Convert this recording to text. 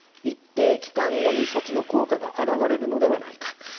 一定期間後に措置の効果が表れるのではないか。